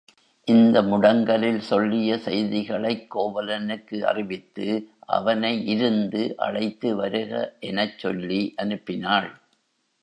இந்த முடங்கலில் சொல்லிய செய்திகளைக் கோவலனுக்கு அறிவித்து அவனை இருந்து அழைத்து வருக எனச் சொல்லி அனுப்பினாள்.